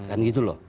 kan gitu loh